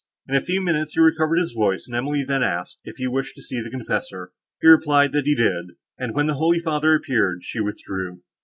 In a few minutes he recovered his voice, and Emily then asked, if he wished to see the confessor; he replied, that he did; and, when the holy father appeared, she withdrew.